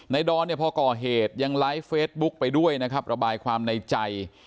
ดอนเนี่ยพอก่อเหตุยังไลฟ์เฟซบุ๊คไปด้วยนะครับระบายความในใจ